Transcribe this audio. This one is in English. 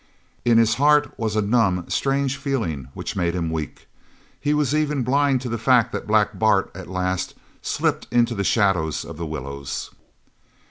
In his heart was a numb, strange feeling which made him weak. He was even blind to the fact that Black Bart at last slipped into the shadows of the willows.